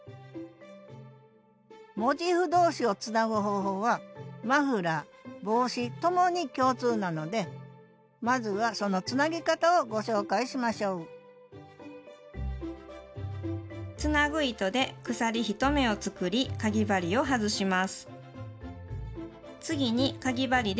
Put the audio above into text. モチーフ同士をつなぐ方法はマフラー帽子ともに共通なのでまずはそのつなぎ方をご紹介しましょうつなぐ糸で鎖１目を作りかぎ針を外します。